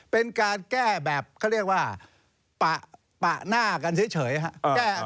เป็นการแก้แบบเขาเรียกว่าปะหน้ากันเฉยครับ